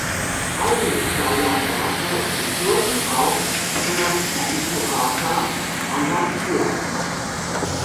Einige seiner Werke wurden auch für das Puppentheater adaptiert.